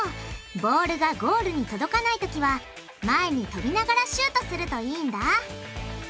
ボールがゴールに届かないときは前にとびながらシュートするといいんだ。